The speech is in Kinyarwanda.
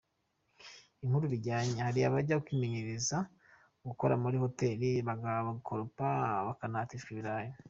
Inkuru bijyanye:Hari abajya kwimenyereza gukora muri hoteli bagakoropa, bakanahatishwa ibirayi.